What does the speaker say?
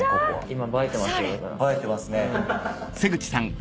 今映えてますよ。